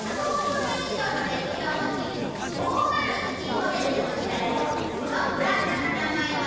１５０年以上の歴史を持ち５０１モデルでも知られるこのブランドの名前は？